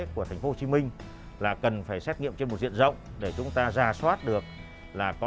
của thành phố hồ chí minh là cần phải xét nghiệm trên một diện rộng để chúng ta ra soát được là có